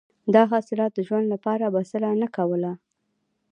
دا حاصلات د ژوند لپاره بسنه نه کوله.